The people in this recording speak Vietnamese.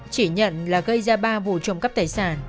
chỉ nhận là gây ra ba vụ trộm cắp tài sản